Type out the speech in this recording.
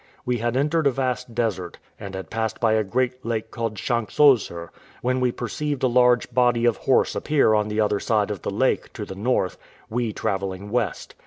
We had entered a vast desert, and had passed by a great lake called Schanks Oser, when we perceived a large body of horse appear on the other side of the lake, to the north, we travelling west.